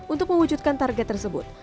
untuk mewujudkan target tersebut